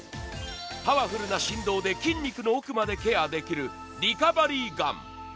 パワフルな振動で筋肉の奥までケアできるリカバリーガン。